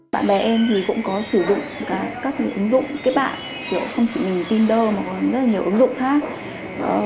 bạn bè em thì cũng có sử dụng các ứng dụng kết bạn kiểu không chỉ mình tinder mà còn rất là nhiều ứng dụng khác